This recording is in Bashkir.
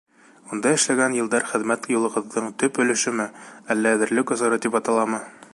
Унда эшләгән йылдар хеҙмәт юлығыҙҙың төп өлөшөмө, әллә әҙерлек осоро тип аталамы?